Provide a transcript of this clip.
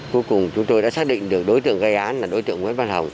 cuối cùng chúng tôi đã xác định được đối tượng gây án là đối tượng nguyễn văn hồng